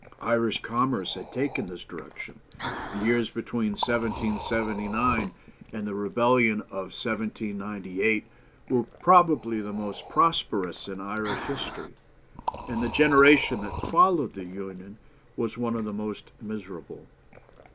Irish commerce had taken this direction; the years between 1779 and the rebellion of 1798 were probably the most prosperous in Irish history, and the generation that followed the Union was one of the most miserable.